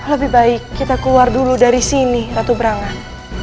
lebih baik kita keluar dulu dari sini ratu berangan